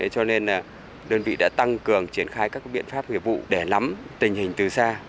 cho nên đơn vị đã tăng cường triển khai các biện pháp nghiệp vụ để lắm tình hình từ xa